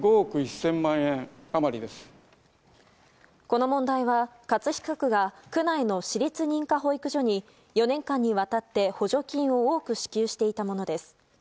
この問題は葛飾区が区内の私立認可保育所に４年間にわたって補助金を多く支給していたものです。